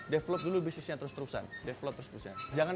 develop dulu bisnisnya terus terusan